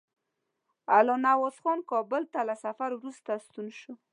الله نواز خان کابل ته له سفر وروسته ستون شو.